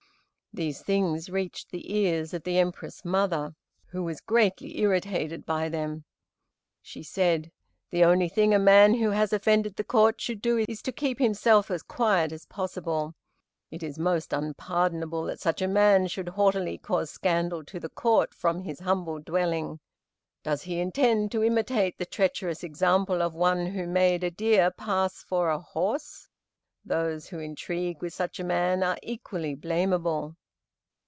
These things reached the ears of the Empress mother, who was greatly irritated by them. She said: "The only thing a man who has offended the Court should do is to keep himself as quiet as possible. It is most unpardonable that such a man should haughtily cause scandal to the Court from his humble dwelling. Does he intend to imitate the treacherous example of one who made a deer pass for a horse? Those who intrigue with such a man are equally blamable."